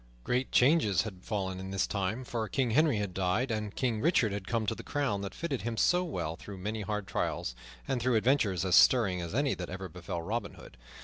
Great changes had fallen in this time; for King Henry had died and King Richard had come to the crown that fitted him so well through many hard trials, and through adventures as stirring as any that ever befell Robin Hood.